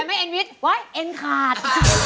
ได้ไหมเอ็นวิสไว้เอ็นขาด